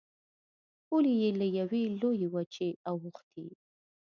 پولې یې له یوې لویې وچې اوښتې.